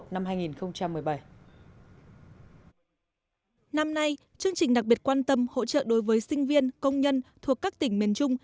năm nay chương trình đặc biệt quan tâm hỗ trợ đối với sinh viên công nhân thuộc các tỉnh miền trung